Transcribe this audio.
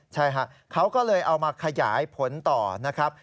ใช่ฮะเขาก็เลยเอามาขยายผลต่อนะครับ